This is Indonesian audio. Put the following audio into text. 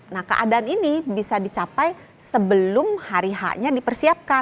nah keadaan ini bisa dicapai sebelum hari h nya dipersiapkan